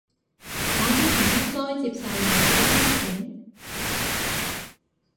我應唔應該接受你嘅邀請